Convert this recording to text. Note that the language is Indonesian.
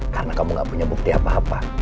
karena kamu gak punya bukti apa apa